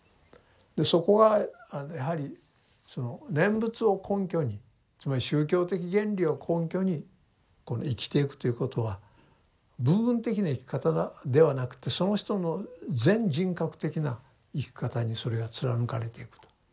そこがやはりその念仏を根拠につまり宗教的原理を根拠に生きていくということは部分的な生き方ではなくてその人の全人格的な生き方にそれが貫かれていくと。